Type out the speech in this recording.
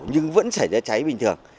nhưng vẫn xảy ra cháy bình thường